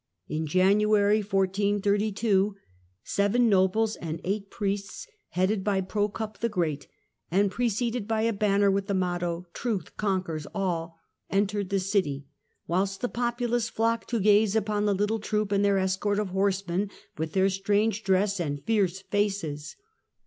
In January, 1432, seven nobles and eight priests headed by Prokop the Great, and preceded by a banner with the motto " Truth conquers all," entered the city, whilst the populace flocked to gaze upon the little troop and their escort of horsemen with their strange dress and fierce faces.